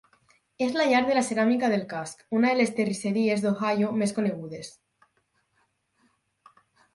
És la llar de la ceràmica del casc, una de les terrisseries d'Ohio més conegudes.